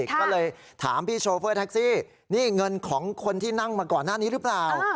ก็เลยถามพี่โชเฟอร์แท็กซี่นี่เงินของคนที่นั่งมาก่อนหน้านี้หรือเปล่า